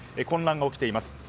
混乱が起きています。